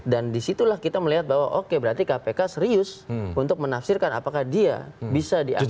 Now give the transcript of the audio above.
dan disitulah kita melihat bahwa oke berarti kpk serius untuk menafsirkan apakah dia bisa di akpk atau tidak